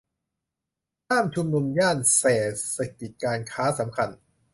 ห้ามชุมนุมย่านเศรษฐกิจการค้าสำคัญ